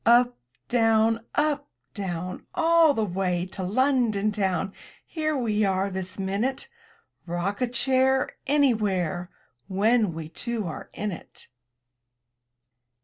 Up, down! Up, down! All the way to London town — Here we are this minute! Rock a chair Anywhere, When we two are in it.